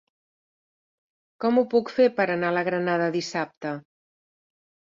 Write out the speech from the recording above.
Com ho puc fer per anar a la Granada dissabte?